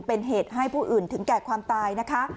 เป็นเหตุให้ผู้อื่นถึงแก่ความตายนะคะ